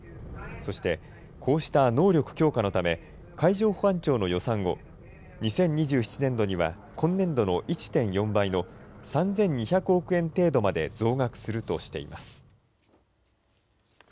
そして、こうした能力強化のため、海上保安庁の予算を、２０２７年度には今年度の１．４倍の３２００億円程度まで増額するとしています。